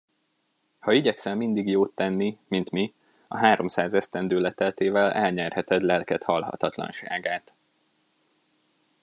Ha igyekszel mindig jót tenni, mint mi, a háromszáz esztendő leteltével elnyerheted lelked halhatatlanságát.